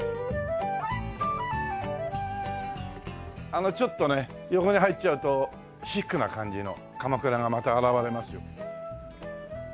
あのちょっとね横に入っちゃうとシックな感じの鎌倉がまた現れますよ。